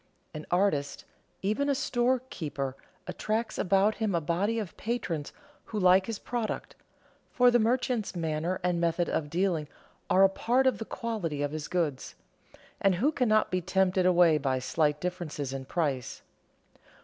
An artist, even a storekeeper, attracts about him a body of patrons who like his product (for the merchant's manner and method of dealing are a part of the quality of his goods), and who cannot be tempted away by slight differences in price.